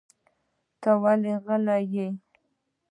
ته ولې غلی یې؟